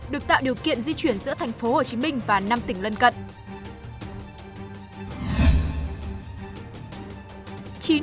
được tạo điều kiện di chuyển giữa thành phố hồ chí minh và năm tỉnh lân cận